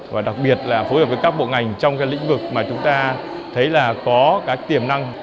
và đặc biệt là phối hợp với các bộ ngành trong cái lĩnh vực mà chúng ta thấy là có các tiềm năng